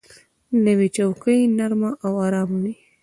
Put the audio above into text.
نوې چوکۍ نرمه او آرامه وي